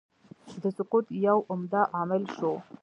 د سقوط یو عمده عامل شو.